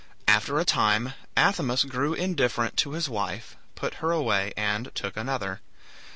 After a time Athamas grew indifferent to his wife, put her away, and took another.